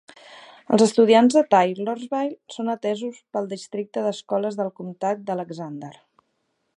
Els estudiants de Taylorsville són atesos pel districte d'escoles del comtat d'Alexander.